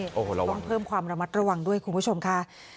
โอ้โฮระวังนะครับคุณผู้ชมต้องเพิ่มความระมัดระวังด้วยคุณผู้ชมค่ะ